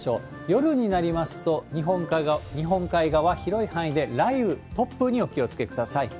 夜になりますと、日本海側、広い範囲で雷雨、突風にお気をつけください。